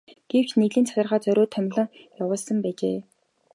Гэвч нэгдлийн захиргаа зориуд томилон явуулсан байжээ.